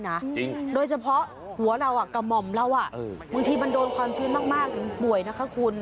หอมแล้วอ่ะบางทีมันโดนคอนซื้อมากมันป่วยนะคะคุณ